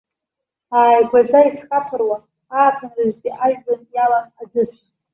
Ааигәаӡа исхаԥыруа, ааԥынразтәи ажәҩан иалан аӡыцәа.